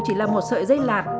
chỉ là một sợi dây lạt